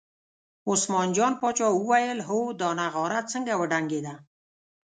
عثمان جان پاچا وویل هو دا نغاره څنګه وډنګېده.